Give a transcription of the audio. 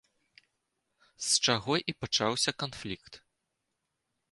З чаго і пачаўся канфлікт.